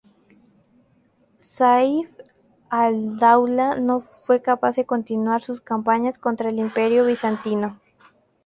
Sayf al-Dawla no fue capaz de continuar sus campañas contra el Imperio bizantino.